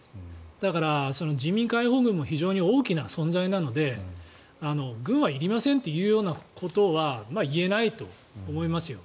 だから、人民解放軍も非常に大きな存在なので軍はいりませんというようなことは言えないと思いますよ。